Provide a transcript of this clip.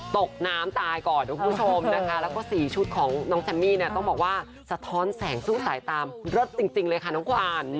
ตกน้ำตายก่อนนะคุณผู้ชมนะคะแล้วก็๔ชุดของน้องแซมมี่เนี่ยต้องบอกว่าสะท้อนแสงสู้สายตามรถจริงเลยค่ะน้องกวาน